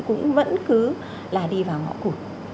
cũng vẫn cứ là đi vào ngõ cụt